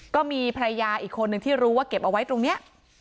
ก็มีภรรยาอีกคนนึงที่รู้ว่าเก็บเอาไว้ตรงนี้